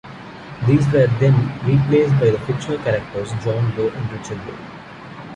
These were then replaced by the fictional characters John Doe and Richard Roe.